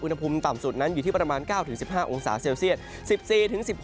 อุณหภูมิต่ำสุดนั้นอยู่ที่ประมาณ๙๑๕องศาเซลเซียต